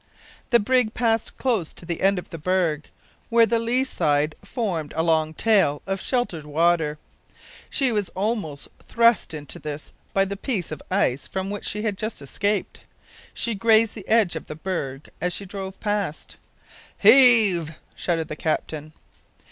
The brig passed close to the end of the berg, where the lee side formed a long tail of sheltered water. She was almost thrust into this by the piece of ice from which she had just escaped. She grazed the edge of the berg as she drove past. "Heave!" shouted the captain.